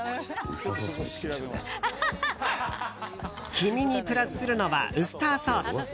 黄身にプラスするのはウスターソース。